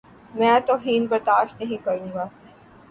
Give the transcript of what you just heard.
میں توہین برداشت نہیں کروں گا۔